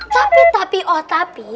tapi tapi oh tapi